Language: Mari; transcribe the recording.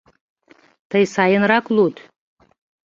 Тый сайынрак луд.